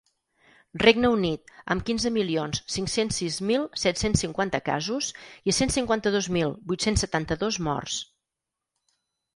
Regne Unit, amb quinze milions cinc-cents sis mil set-cents cinquanta casos i cent cinquanta-dos mil vuit-cents setanta-dos morts.